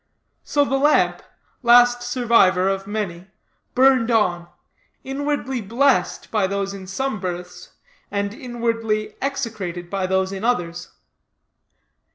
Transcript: So the lamp last survivor of many burned on, inwardly blessed by those in some berths, and inwardly execrated by those in others.